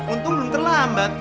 untung belum terlambat